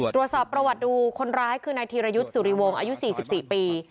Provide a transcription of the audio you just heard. ตรวจสอบประวัติดูคนร้ายคือนายธีรยุทธ์สุริวงศ์อายุ๔๔ปี